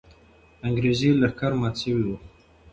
انګریزي لښکر مات سوی وو.